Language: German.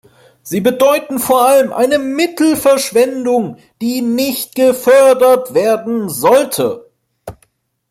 Sie bedeuten vor allem eine Mittelverschwendung, die nicht gefördert werden sollte.